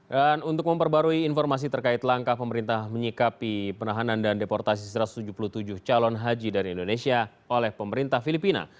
dan untuk memperbarui informasi terkait langkah pemerintah menyikapi penahanan dan deportasi satu ratus tujuh puluh tujuh calon haji dari indonesia oleh pemerintah filipina